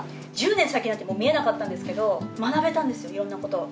１０年先なんて見えなかったんですけれども、学べたんですよ、いろんなことを。